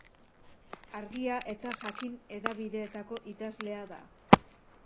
Argia eta Jakin hedabideetako idazlea da.